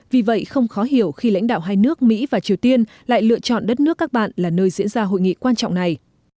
vì vậy không khó hiểu khi lãnh đạo hai nước mỹ và triều tiên lại lựa chọn đất nước các bạn là nơi diễn ra hội nghị quan trọng này